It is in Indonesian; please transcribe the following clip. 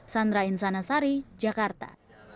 sandra insanasari jakarta